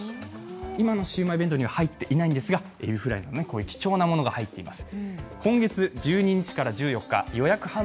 今のシウマイ弁当には入っていないんですが、エビフライなど、こういう貴重なものが入っています。